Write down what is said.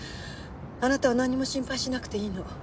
あなたはなんにも心配しなくていいの。